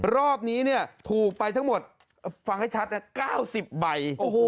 รอบนี้ถูกไปทั้งหมด๙๐ใบ